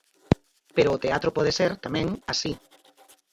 Pero o teatro pode ser, tamén, así.